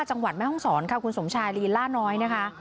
จังหวัดแม่ห้องศรค่ะคุณสมชายลีล่าน้อยนะคะ